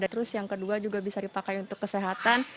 terus yang kedua juga bisa dipakai untuk kesehatan